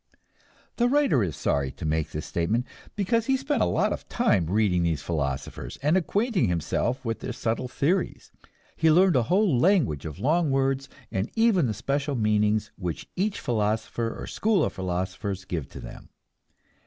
The writer is sorry to make this statement, because he spent a lot of time reading these philosophers and acquainting himself with their subtle theories. He learned a whole language of long words, and even the special meanings which each philosopher or school of philosophers give to them.